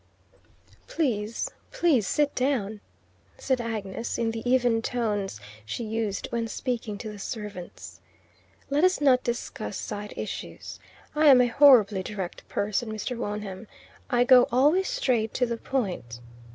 "Please, please sit down," said Agnes, in the even tones she used when speaking to the servants; "let us not discuss side issues. I am a horribly direct person, Mr. Wonham. I go always straight to the point."